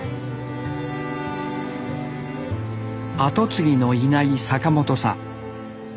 後継ぎのいない坂本さん。